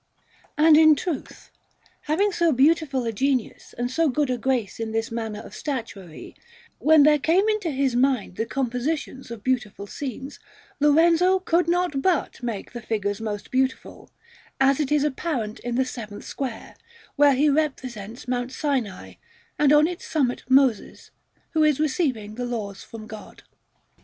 And in truth, having so beautiful a genius and so good a grace in this manner of statuary, when there came into his mind the compositions of beautiful scenes, Lorenzo could not but make the figures most beautiful; as it is apparent in the seventh square, where he represents Mount Sinai, and on its summit Moses, who is receiving the Laws from God.